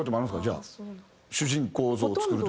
じゃあ主人公像を作る時。